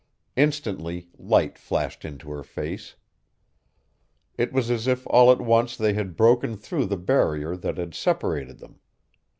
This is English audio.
Instantly light flashed into her face. It was as if all at once they had broken through the barrier that had separated them.